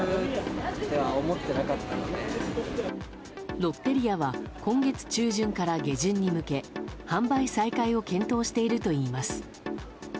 ロッテリアは今月中旬から下旬に向け販売再開を検討しているといいます。